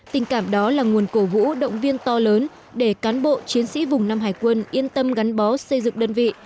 tình cảm đó là nguồn cổ vũ động viên to lớn để cán bộ chiến sĩ vùng năm hải quân yên tâm gắn bó xây dựng đơn vị